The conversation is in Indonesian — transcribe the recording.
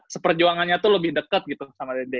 seperjuangannya tuh lebih deket gitu sama dede